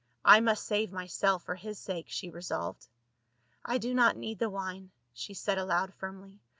I must save myself for his sake, she resolved. " I do not need the wine," she said aloud firmly.